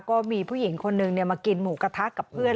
ก็มีผู้หญิงคนนึงมากินหมูกระทะกับเพื่อน